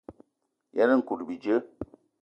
Yen nkout bíjé.